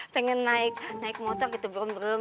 pengen naik naik motor gitu berem berem